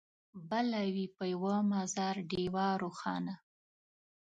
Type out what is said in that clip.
بله وي په یوه مزار ډېوه روښانه